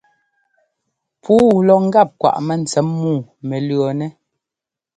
Puu lɔ ŋ́gap kwaꞌ mɛntsɛm muu mɛ lʉ̈ɔnɛ́.